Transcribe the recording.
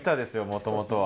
もともとは。